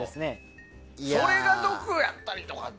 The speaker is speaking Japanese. それが毒やったりとかは。